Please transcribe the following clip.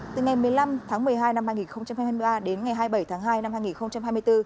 từ ngày một mươi năm tháng một mươi hai năm hai nghìn hai mươi ba đến ngày hai mươi bảy tháng hai năm hai nghìn hai mươi bốn